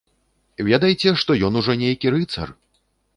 Ведайце, што ён ужо нейкі рыцар!